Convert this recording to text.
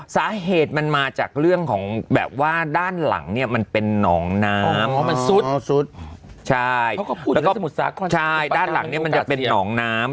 สาเหตุมันมาจากเรื่องของแบบว่าด้านหลังเนี่ยมันเป็นหนองน้ำมันซุดใช่แล้วก็สมุทรสาครใช่ด้านหลังเนี่ยมันจะเป็นหนองน้ำ